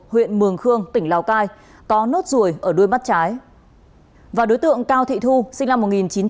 huyện mường khương tỉnh lào cai có nốt ruồi ở đuôi mắt trái và đối tượng cao thị thu sinh năm một nghìn chín trăm tám mươi